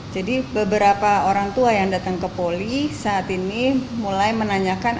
jadi beberapa orang tua yang datang ke poli saat ini mulai menanyakan